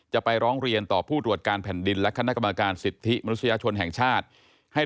จะไปร้องเรียนต่อผู้ตรวจการแผ่นดินและคณะกรรมการสิทธิมนุษยชนแห่งชาติ